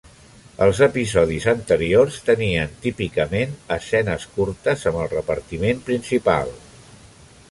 Els episodis anteriors tenien típicament escenes curtes amb el repartiment principal.